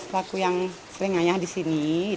saya sih laku yang sering nyanyah di sini